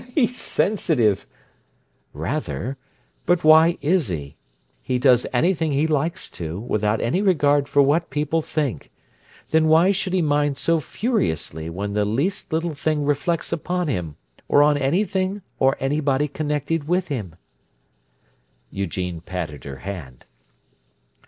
"He's sensitive." "Rather! But why is he? He does anything he likes to, without any regard for what people think. Then why should he mind so furiously when the least little thing reflects upon him, or on anything or anybody connected with him?" Eugene patted her hand.